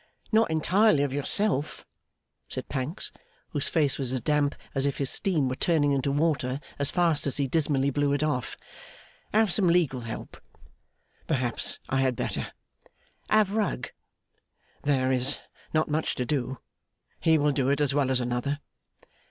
'Not entirely of yourself?' said Pancks, whose face was as damp as if his steam were turning into water as fast as he dismally blew it off. 'Have some legal help.' 'Perhaps I had better.' 'Have Rugg.' 'There is not much to do. He will do it as well as another.